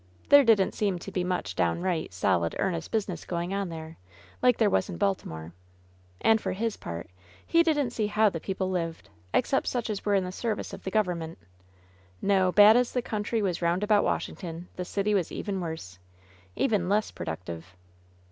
There didn't seem to be much down right, solid, earnest business going on there, like there was in Baltimore ; and, for his part, he didn't see how the people lived, except such as were in the service of the government. No, bad as the country was round about Washington, the city was even worse — even less productive.